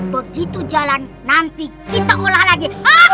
begitu jalan nanti kita ulah lagi